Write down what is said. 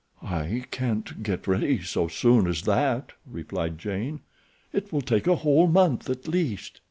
"I can't get ready so soon as that," replied Jane. "It will take a whole month, at least."